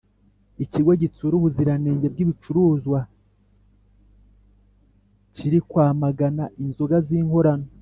Ikigo gitsura ubuziranenge bwibicuruzwa kirikwamagana inzoga zinkorano